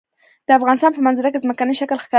د افغانستان په منظره کې ځمکنی شکل ښکاره دی.